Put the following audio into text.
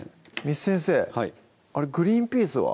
簾先生グリンピースは？